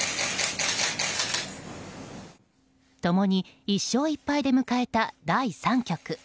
共に１勝１敗で迎えた第３局。